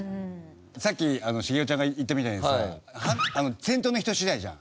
さっき茂雄ちゃんが言ったみたいにさ先頭の人次第じゃん。